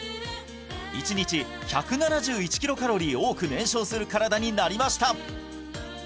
１日１７１キロカロリー多く燃焼する身体になりました